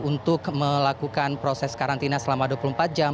untuk melakukan proses karantina selama dua puluh empat jam